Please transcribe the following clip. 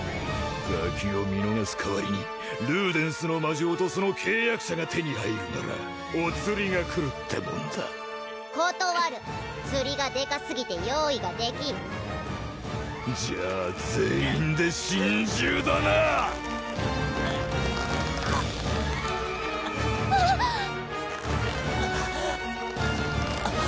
ガキを見逃す代わりにルーデンスの魔杖とその契約者が手に入るならおつりが来るってもんだ断るつりがでかすぎて用意ができんじゃあ全員で心中だなううっあああっ！